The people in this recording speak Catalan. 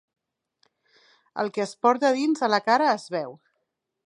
El que es porta a dins a la cara es veu.